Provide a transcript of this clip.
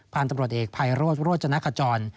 พันตำรวจเอกภายรวดรวจนักกระจอน